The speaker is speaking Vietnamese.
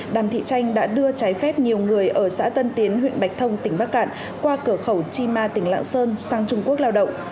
đàm thị tranh đã đưa trái phép nhiều người ở xã tân tiến huyện bạch thông tỉnh bắc cạn qua cửa khẩu chi ma tỉnh lạng sơn sang trung quốc lao động